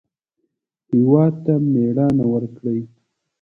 هېواد ته مېړانه ورکړئ